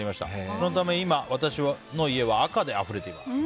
そのため今、私の家は赤であふれています。